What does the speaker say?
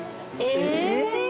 え！？